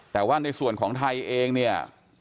แต่ว่าในส่วนของไทยเองเนี่ย